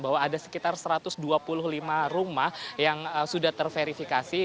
bahwa ada sekitar satu ratus dua puluh lima rumah yang sudah terverifikasi